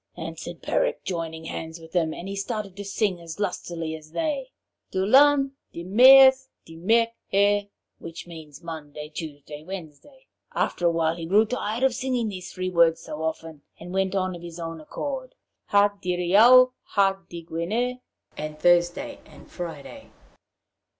answered Peric, joining hands with them; and he started to sing as lustily as they: 'Dilun, Dimeurs, Dimerc'her,' which means 'Monday, Tuesday, Wednesday.' After a while he grew tired of singing these three words so often, and went on of his own accord: 'Ha Diriaou, ha Digwener,' (And Thursday and Friday!)